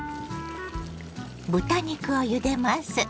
豚肉をゆでます。